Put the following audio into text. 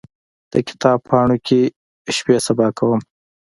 د کتاب پاڼو کې شپې سبا کومه